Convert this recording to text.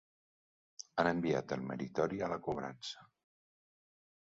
Han enviat el meritori a la cobrança.